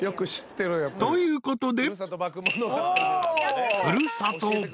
［ということで］